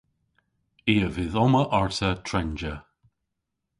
I a vydh omma arta trenja.